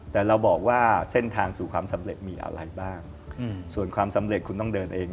แต่เราบอกว่าเส้นทางสู่ความสำเร็จมีอะไรบ้างส่วนความสำเร็จคุณต้องเดินเอง